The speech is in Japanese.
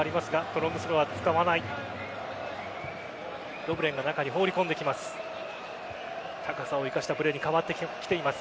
ロヴレンが中に放り込んできます。